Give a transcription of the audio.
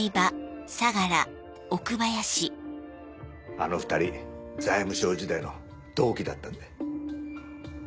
あの２人財務省時代の同期だったんだ。